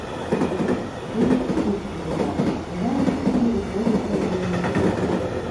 Бо ўсё ў жыцці бывае, бывае, што і не выходзяць альбомы.